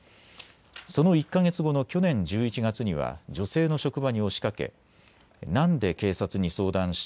その１か月後の去年１１月には女性の職場に押しかけなんで警察に相談した。